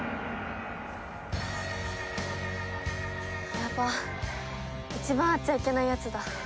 やば一番会っちゃいけないやつだ。